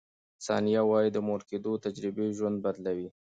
ثانیه وايي، د مور کیدو تجربې ژوند بدلوي.